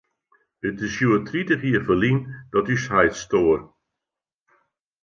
It is hjoed tritich jier ferlyn dat ús heit stoar.